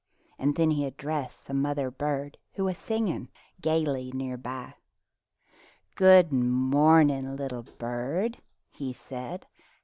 And then he addressed the mother bird who was singing gayly near by. "Good morning, little bird," he said.